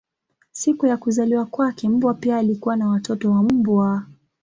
Siku ya kuzaliwa kwake mbwa pia alikuwa na watoto wa mbwa.